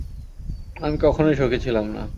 আমি কখনোই সুখী ছিলাম না।